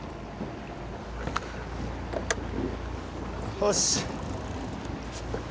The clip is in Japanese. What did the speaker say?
よし！